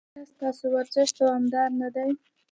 ایا ستاسو ورزش دوامدار نه دی؟